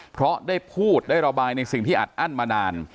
เพราะได้พูดได้ระบายในสิ่งที่อัดอั้นมานาน